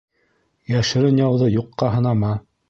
Йәшерен яуҙы юҡҡа һанама.